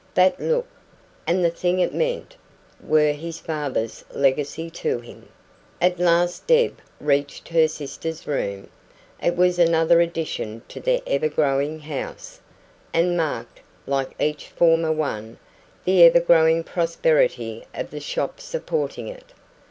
That look, and the thing it meant, were his father's legacy to him. At last Deb reached her sister's room. It was another addition to the ever growing house, and marked, like each former one, the ever growing prosperity of the shop supporting it.